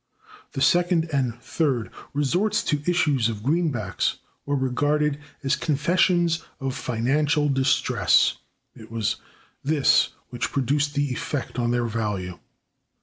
The second and third resorts to issues of greenbacks were regarded as confessions of financial distress; it was this which produced the effect on their value.